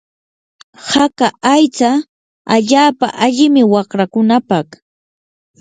haka aycha allaapa allimi wanrakunapaq.